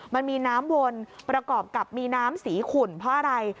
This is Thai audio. มันมีน้ำวนประกอบกับมีน้ำสีขุ่นเพราะอะไร